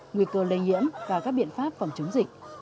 nguy cơ lây nhiễm và các biện pháp phòng chống dịch